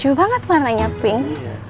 cukup banget warnanya pink